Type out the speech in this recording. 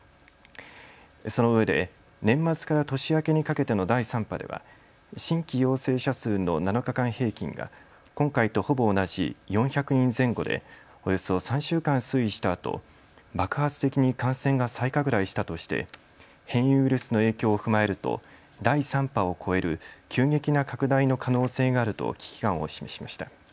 そのうえで年末から年明けにかけての第３波では新規陽性者数の７日間平均が今回とほぼ同じ４００人前後でおよそ３週間推移したあと爆発的に感染が再拡大したとして変異ウイルスの影響を踏まえると第３波を超える急激な拡大の可能性があると危機感を示しました。